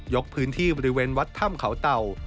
พื้นที่บริเวณวัดถ้ำเขาเต่า